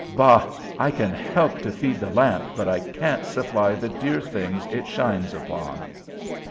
"Bah! I can help to feed the lamp, but I can't supply the dear things it shines upon."